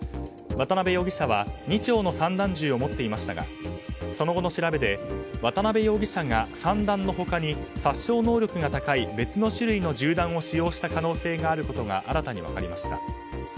渡辺容疑者は２丁の散弾銃を持っていましたがその後の調べで渡辺容疑者が散弾の他に殺傷能力が高い別の種類の銃弾を使用した可能性があることが新たに分かりました。